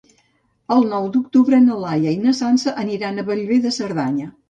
El nou d'octubre na Laia i na Sança aniran a Bellver de Cerdanya.